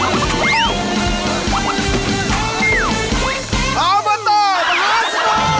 ออเบอร์ตอบมหาสนุก